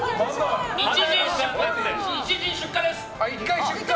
１陣、出荷です！